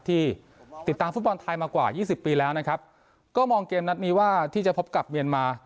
ที่ติดตามฟุตบอลไทยมากว่ายี่สิบปีแล้วนะครับก็มองเกมนัดนี้ว่าที่จะพบกับเมียนมา